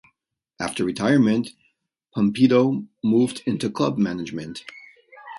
After retirement, Pumpido moved into club management.